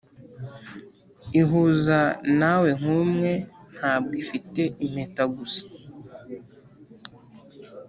ihuza nawe nkumwe, ntabwo ifite impeta gusa,